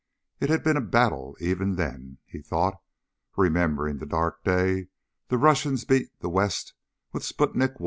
It had been a battle even then, he thought, remembering the dark day the Russians beat the West with Sputnik I